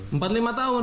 empat lima tahun